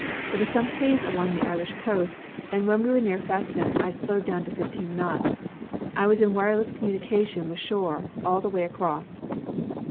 There was some haze along the Irish coast, and when we were near Fastnet I slowed down to fifteen knots. I was in wireless communication with shore all the way across."